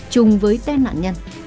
chùng với tên nạn nhân